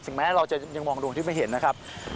สิ่งแม้เราจะยังมองดวงอาทิตย์ไม่เห็นนะครับ